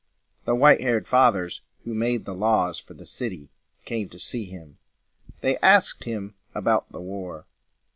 The white haired Fathers who made the laws for the city came to see him. They asked him about the war.